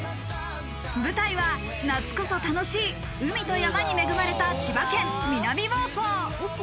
舞台は、夏こそ楽しい海と山に恵まれた千葉県南房総。